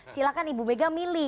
silahkan bumega milih